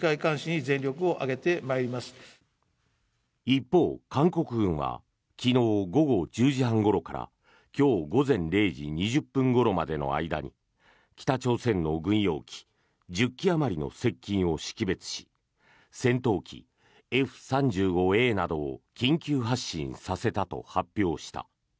一方、韓国軍は昨日午後１０時半ごろから今日午前０時２０分ごろまでの間に北朝鮮の軍用機１０機あまりの接近を識別し戦闘機Ｆ３５Ａなどを緊急発進させたと発表した。